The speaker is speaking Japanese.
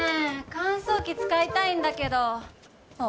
乾燥機使いたいんだけどあっ